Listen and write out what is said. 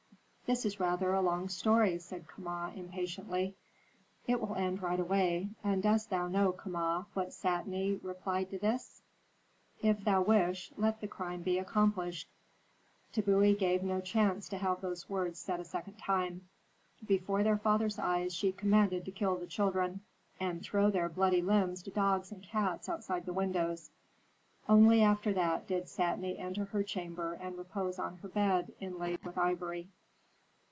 '" "This is rather a long story," said Kama, impatiently. "It will end right away. And dost thou know, Kama, what Satni replied to this: 'If thou wish, let the crime be accomplished.' Tbubui gave no chance to have these words said a second time. Before their father's eyes she commanded to kill the children, and throw their bloody limbs to dogs and cats outside the windows. Only after that did Satni enter her chamber and repose on her bed, inlaid with ivory."